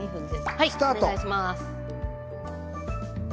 はいお願いします。